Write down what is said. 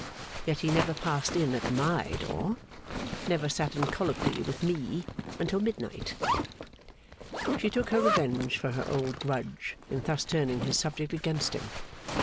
Yet he never passed in at my door never sat in colloquy with me until midnight.' She took her revenge for her old grudge in thus turning his subject against him.